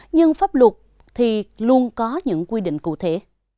nhưng pháp luật thì luôn có những quy định cụ thể